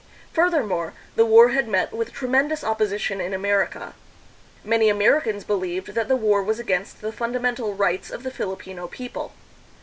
Further more, the war had met with tremendous opposition in Amer ica. Many Americans believed that the war was against the fundamental rights of the Filipino people.